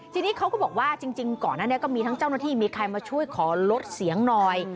ทีนี้เขาก็บอกว่าจริงก่อนอันนี้ก็มีทั้งเจ้าหน้าที่มีใครมาช่วยขอลดเสียงหน่อย